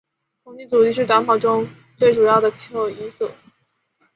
空气阻力是短跑中最主要的气候因素。